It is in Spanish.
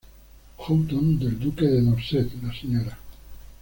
Houghton del duque de Dorset, la Sra.